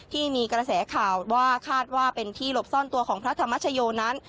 ที่มีกระแสข่าวว่าคาดว่าเป็นที่หลบซ่อนตัวของพระธรรมชโยนั้น